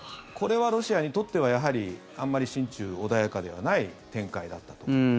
これはロシアにとってはやはりあんまり心中穏やかではない展開だったと。